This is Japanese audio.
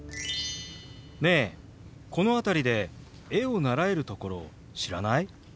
ねえこの辺りで絵を習えるところ知らない？